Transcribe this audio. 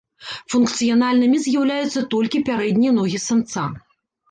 Функцыянальнымі з'яўляюцца толькі пярэднія ногі самца.